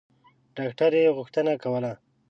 ډاکټر یې غوښتنه کوله.